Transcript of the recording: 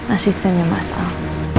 asistennya mas al